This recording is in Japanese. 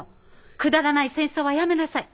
くだらない戦争はやめなさい